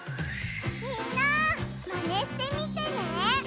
みんなマネしてみてね！